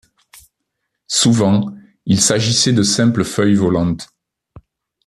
Souvent, il s'agissait de simples feuilles volantes.